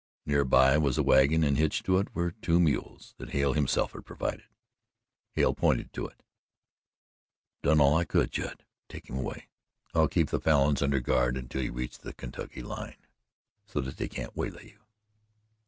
Near by was a wagon and hitched to it were two mules that Hale himself had provided. Hale pointed to it: "I've done all I could, Judd. Take him away. I'll keep the Falins under guard until you reach the Kentucky line, so that they can't waylay you."